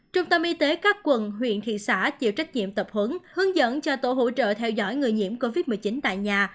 trung tâm y tế các quận huyện thị xã chịu trách nhiệm tập hướng hướng dẫn cho tổ hỗ trợ theo dõi người nhiễm covid một mươi chín tại nhà